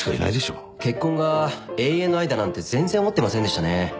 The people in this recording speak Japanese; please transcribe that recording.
結婚が永遠の愛だなんて全然思ってませんでしたね。